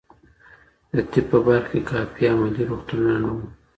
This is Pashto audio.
د طب په برخه کي کافي عملي روغتونونه نه وو.